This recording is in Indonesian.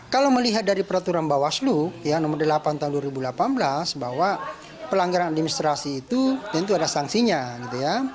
kalau melihat dari peraturan bawaslu ya nomor delapan tahun dua ribu delapan belas bahwa pelanggaran administrasi itu tentu ada sanksinya gitu ya